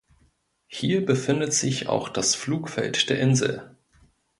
Hier befindet sich auch das Flugfeld der Insel.